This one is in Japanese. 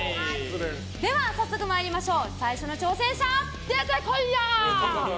では早速、参りましょう最初の挑戦者出てこいや！